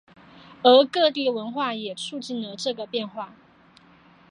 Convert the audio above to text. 而各地文化也促进了这个变化。